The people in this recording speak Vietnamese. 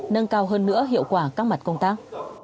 nâng cao hơn nữa hiệu quả các mặt công tác